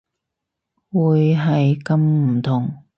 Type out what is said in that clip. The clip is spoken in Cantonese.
會係咁唔同